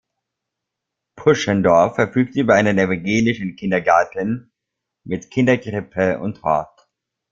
Puschendorf verfügt über einen evangelischen Kindergarten mit Kinderkrippe und Hort.